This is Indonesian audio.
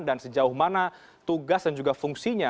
dan sejauh mana tugas dan juga fungsinya